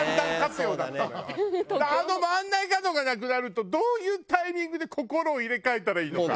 だからあの真ん中のがなくなるとどういうタイミングで心を入れ替えたらいいのか。